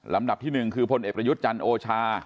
ดับที่๑คือพลเอกประยุทธ์จันทร์โอชา